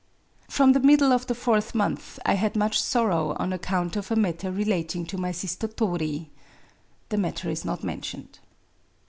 From the middle of the fourth month I had much sor row on account of a matter relating to my sister Tori [ibi matter is not mintioneJ]